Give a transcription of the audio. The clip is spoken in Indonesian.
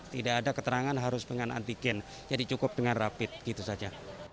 tidak ada keterangan harus dengan antigen jadi cukup dengan rapid gitu saja